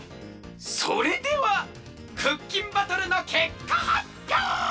それではクッキンバトルのけっかはっぴょう！